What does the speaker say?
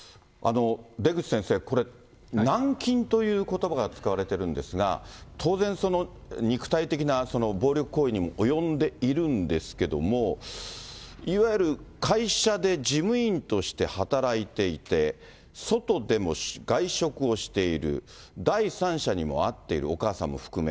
出口先生、これ、軟禁ということばが使われてるんですが、当然、肉体的な暴力行為に及んでいるんですけども、いわゆる会社で事務員として働いていて、外でも外食をしている、第三者にも会っている、お母さんも含め。